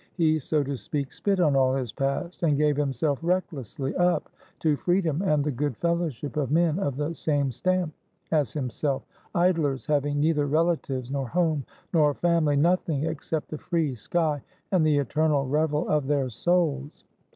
He, so to speak, spit on all his past, and gave himself recklessly up to freedom and the good fellowship of men of the same stamp as himself, — idlers having neither relatives nor home nor family 6i RUSSIA nothing except the free sky, and the eternal revel of their souls.